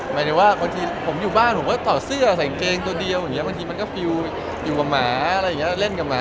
หมายถึงว่าผมอยู่บ้านผมก็ต่อเสื้อใส่เกงตัวเดียววันทีมันก็ฟิวอยู่กับหมาอะไรอย่างเงี้ย